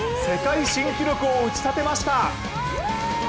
世界新記録を打ち立てました。